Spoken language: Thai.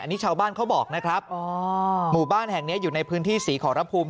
นี่ชาวบ้านเขาบอกนะครับหมู่บ้านแห่งนี้อยู่ในพื้นที่ศรีขอรภูมิ